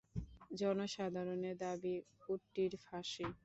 জনসাধারণের দাবি, কুট্টির ফাঁসি।